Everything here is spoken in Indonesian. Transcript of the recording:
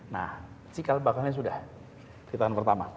nah cikal bakalnya sudah di tahun pertama